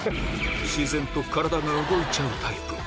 自然と体が動いちゃうタイプ。